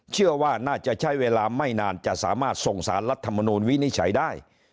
เชื่อว่าน่าจะใช้เวลาไม่นานจะสามารถส่งสารรัฐมนูลวินิจฉัยได้